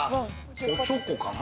おちょこかな？